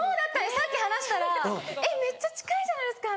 さっき話したらめっちゃ近いじゃないですかみたいな。